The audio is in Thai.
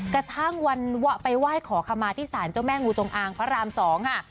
กระทั่งวันไปไหว้ขอคำมาที่ศาลเจ้าแม่งูจงอางพระราม๒ค่ะ